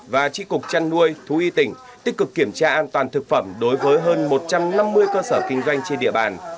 và trị cục chăn nuôi thú y tỉnh tích cực kiểm tra an toàn thực phẩm đối với hơn một trăm năm mươi cơ sở kinh doanh trên địa bàn